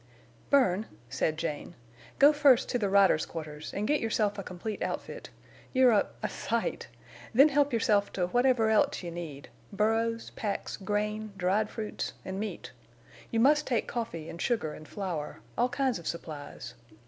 "Bern," said Jane, "go first to the riders' quarters and get yourself a complete outfit. You're a—a sight. Then help yourself to whatever else you need—burros, packs, grain, dried fruits, and meat. You must take coffee and sugar and flour—all kinds of supplies.